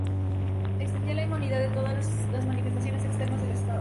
Extendía la inmunidad a todas las manifestaciones externas del estado.